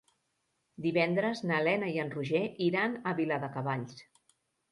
Divendres na Lena i en Roger iran a Viladecavalls.